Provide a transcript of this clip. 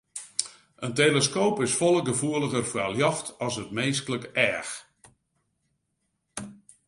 In teleskoop is folle gefoeliger foar ljocht as it minsklik each.